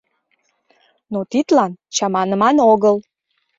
Но тидлан чаманыман огыл.